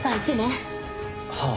はあ。